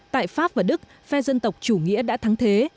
tại pháp và đức phe dân tộc chủ nghĩa đã thắng thế